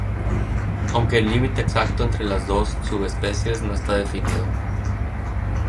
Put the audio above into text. Aunque el límite exacto entre las dos subespecies no está definido.